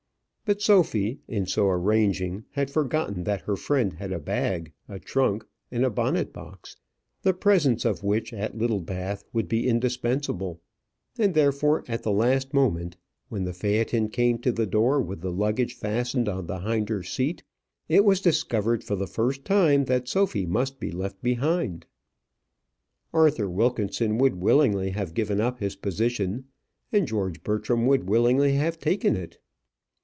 But Sophy, in so arranging, had forgotten that her friend had a bag, a trunk, and a bonnet box, the presence of which at Littlebath would be indispensable; and, therefore, at the last moment, when the phaëton came to the door with the luggage fastened on the hinder seat, it was discovered for the first time that Sophy must be left behind. Arthur Wilkinson would willingly have given up his position, and George Bertram would willingly have taken it.